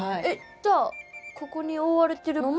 じゃあここに覆われているのも？